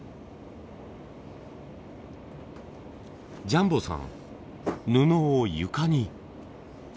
ジャンボさん布を床に。